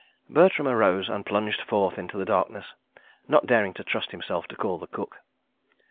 Bertram arose and plunged forth into the darkness, not daring to trust himself to call the cook.